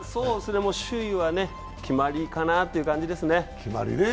首位は決まりかなという感じですね。